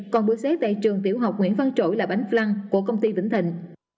còn bữa xế tại trường tiểu học nguyễn văn trỗi là bánh flan của công ty vĩnh thịnh